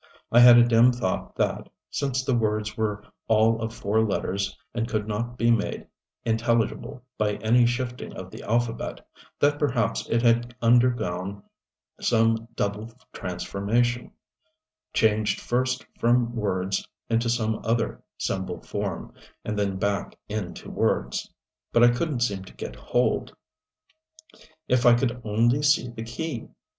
I had a dim thought that, since the words were all of four letters and could not be made intelligible by any shifting of the alphabet, that perhaps it had undergone some double transformation changed first from words into some other symbol form, and then back into words. But I couldn't seem to get hold. If I could only see the key!